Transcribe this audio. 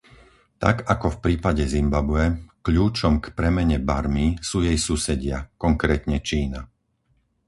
Tak ako v prípade Zimbabwe, kľúčom k premene Barmy sú jej susedia, konkrétne Čína.